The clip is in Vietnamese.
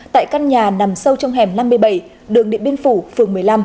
tại căn nhà nằm sâu trong hẻm năm mươi bảy đường điện biên phủ phường một mươi năm